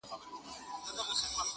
بیا میندل یې په بازار کي قیامتي وه؛